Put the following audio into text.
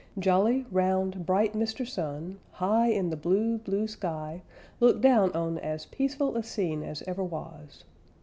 _ Jolly, round, bright Mr. Sun, high in the blue, blue sky, looked down on as peaceful a scene as ever was.